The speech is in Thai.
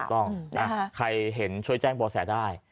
ถูกต้องใครเห็นช่วยแจ้งบ่อแสได้